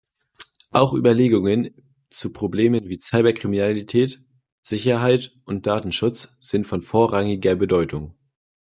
Auch Überlegungen zu Problemen wie Cyber-Kriminalität, Sicherheit und Datenschutz sind von vorrangiger Bedeutung.